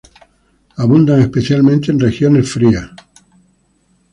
Abundan especialmente en regiones frías.